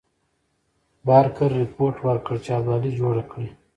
بارکر رپوټ ورکړ چې ابدالي جوړه کړې.